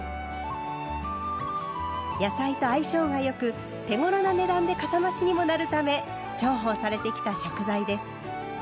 野菜と相性が良く手ごろな値段でかさ増しにもなるため重宝されてきた食材です。